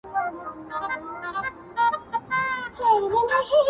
گرانې اتيا زره صفاته دې په خال کي سته